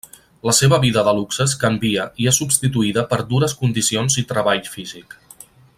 La seva vida de luxes canvia i és substituïda per dures condicions i treball físic.